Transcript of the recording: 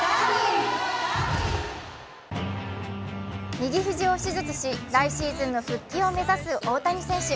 右肘を手術し、来シーズンの復帰を目指す大谷選手。